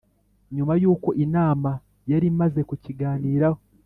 nyuma y'uko inama yari maze kukiganiraho.